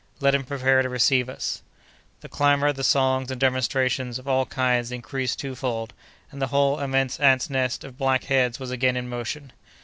Let him prepare to receive us!" The clamor, the songs and demonstrations of all kinds increased twofold, and the whole immense ants' nest of black heads was again in motion.